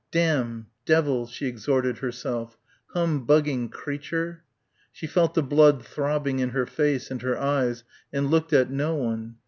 "Damn ... Devil ..." she exhorted herself ... "humbugging creature ..." She felt the blood throbbing in her face and her eyes and looked at no one.